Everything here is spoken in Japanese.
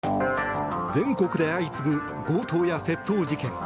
全国で相次ぐ強盗や窃盗事件。